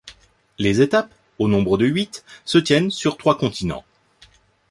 Les étapes, au nombre de huit, se tiennent sur trois continents.